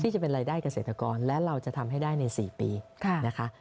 จะเป็นรายได้เกษตรกรและเราจะทำให้ได้ใน๔ปีนะคะ